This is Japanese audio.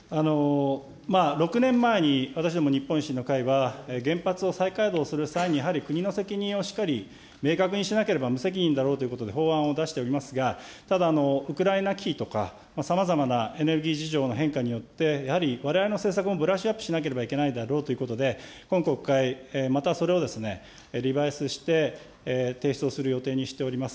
６年前に私ども日本維新の会は、原発を再稼働する際に、やはり国の責任をしっかり明確にしなければ無責任だろうということで、法案を出しておりますが、ただ、ウクライナ危機とか、さまざまなエネルギー事情の変化によって、やはりわれわれの政策もブラッシュアップしなければいけないだろうということで、今国会、またそれをリバイスして提出をする予定にしております。